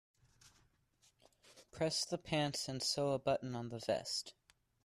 Press the pants and sew a button on the vest.